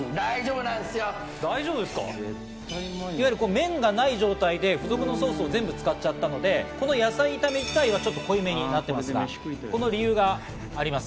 麺がない状態で付属のソースを全部使っちゃったので、野菜炒め自体は濃いめになっていますが、この理由があります。